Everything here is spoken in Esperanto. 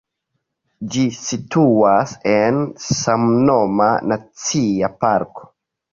Ĝi situas en samnoma nacia parko.